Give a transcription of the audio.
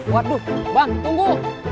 waduh bang tunggu